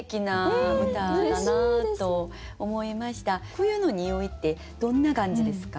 冬の匂いってどんな感じですか？